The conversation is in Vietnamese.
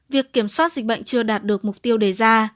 việc kiểm soát dịch bệnh chưa đạt được mục tiêu đề ra